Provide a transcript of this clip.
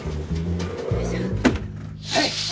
はい！